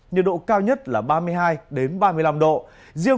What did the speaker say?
nhiệt độ cao nhất là ba mươi hai ba mươi năm độ